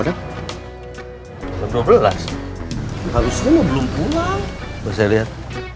dua belas kalau belum pulang saya lihat